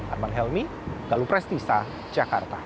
armand helmy galuh prestisa jakarta